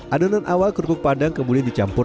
adonan awal kerupuk padang kemudian dicampur